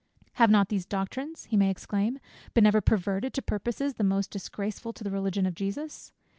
"Have not these doctrines," he may exclaim, "been ever perverted to purposes the most disgraceful to the Religion of Jesus?